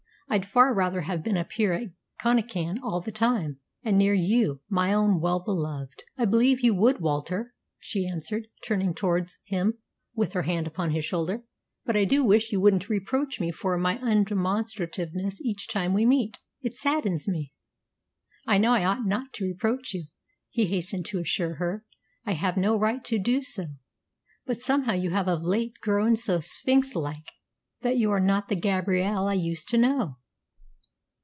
I'd far rather have been up here at Connachan all the time, and near you, my own well beloved." "I believe you would, Walter," she answered, turning towards him with her hand upon his shoulder. "But I do wish you wouldn't reproach me for my undemonstrativeness each time we meet. It saddens me." "I know I ought not to reproach you," he hastened to assure her. "I have no right to do so; but somehow you have of late grown so sphinx like that you are not the Gabrielle I used to know."